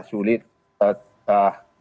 sulit dalam hal ini